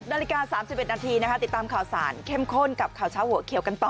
นาฬิกา๓๑นาทีติดตามข่าวสารเข้มข้นกับข่าวเช้าหัวเขียวกันต่อ